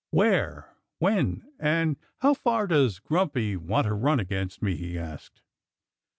"Where, when, and how far does Grumpy want to run against me?" he asked.